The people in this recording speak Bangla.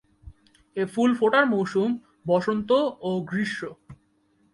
এ ফুল ফোটার মৌসুম বসন্ত ও গ্রীষ্ম।